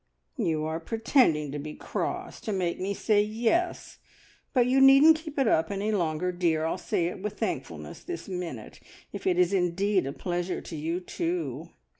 "You are pretending to be cross, to make me say `Yes,' but you needn't keep it up any longer, dear. I'll say it with thankfulness this minute, if it is indeed a pleasure to you too.